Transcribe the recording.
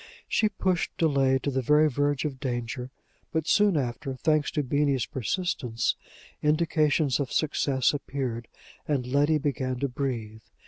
She pushed delay to the very verge of danger. But, soon after, thanks to Beenie's persistence, indications of success appeared, and Letty began to breathe.